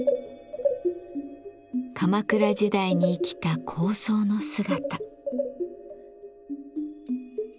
鎌倉時代に生きた高僧の姿。